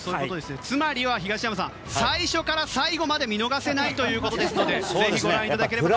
つまりは東山さん最初から最後まで見逃せないということですのでぜひご覧いただければ。